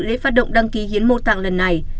lễ phát động đăng ký hiến mô tạng lần này